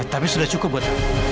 tapi sudah cukup buat